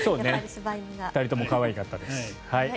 ２人とも可愛かったです。